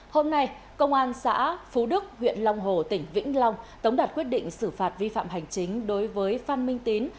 hôm nay công an xã phú đức huyện long hồ tỉnh vĩnh long tống đạt quyết định xử phạt vi phạm hành chính đối với phan minh tín